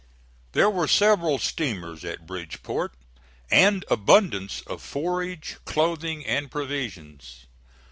There were several steamers at Bridgeport, and abundance of forage, clothing and provisions.